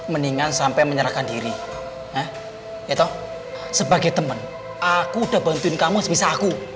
mendingan sampai menyerahkan diri ya tau sebagai temen aku udah bantuin kamu sebisa aku